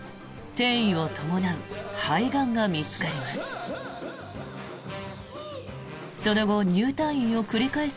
転移を伴う肺がんが見つかります。